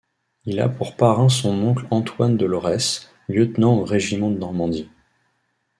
Il a pour parrain son oncle Antoine de Laurès, lieutenant au régiment de Normandie.